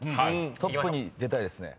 トップに出たいですね。